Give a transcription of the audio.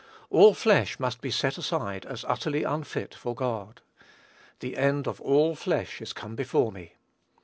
"All flesh" must be set aside, as utterly unfit for God. "The end of all flesh is come before me."